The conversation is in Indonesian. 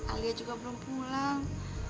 alia juga belum pulang